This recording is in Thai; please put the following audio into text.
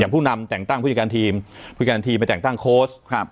ผู้นำแต่งตั้งผู้จัดการทีมผู้การทีมไปแต่งตั้งโค้ชครับ